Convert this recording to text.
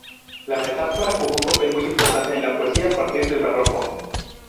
La metáfora jugó un papel muy importante en la poesía a partir del Barroco.